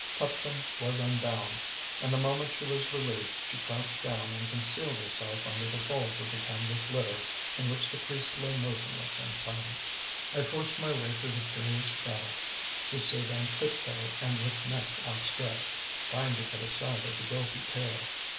" Tuptim was unbound, and the moment she was released she crouched down and concealed herself under the folds of the canvas litter in which the priest lay motionless and silent. I forced my way through the curious crowd, who stood on tiptoe and with necks outstretched, trying to get a sight of the guilty pair.